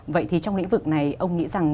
vậy thì trong lĩnh vực này ông nghĩ rằng